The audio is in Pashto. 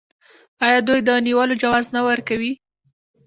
آیا دوی د نیولو جواز نه ورکوي؟